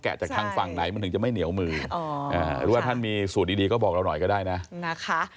จากทางฝั่งไหนมันถึงจะไม่เหนียวมือหรือว่าท่านมีสูตรดีก็บอกเราหน่อยก็ได้นะนะคะ